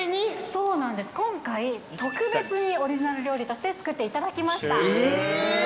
そうなんです、今回、特別にオリジナル料理として作っていただきました。